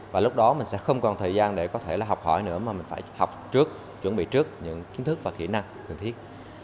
và lúc đó mình sẽ không còn thời gian để có thể là học hỏi nữa mà mình phải học trước chuẩn bị trước những kiến thức và kỹ năng cần thiết